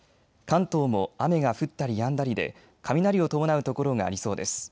関東も雨が降ったりやんだりで雷を伴う所がありそうです。